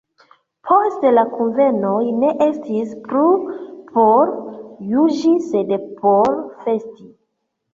Poste la kunvenoj ne estis plu por juĝi sed por festi.